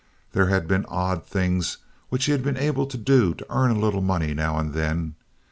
There had been odd things which he had been able to do to earn a little money now and then.